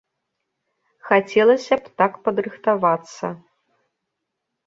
Хацелася б так падрыхтавацца.